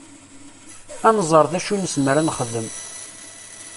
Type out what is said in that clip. Ad nẓer d acu i nezmer ad nexdem.